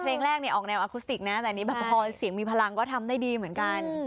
เพลงแรกออกแนวอคุซติกนะแต่ที่นี้เสียงมีพลังทำได้ดีเหมือนกัน